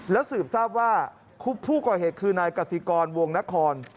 สืบทราบว่าผู้ก่อเหตุคือนายกสิกรวงนคร